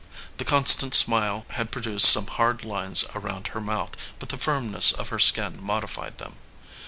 The constant smile had produced some hard lines around her mouth, but the firmness of her skin modified them.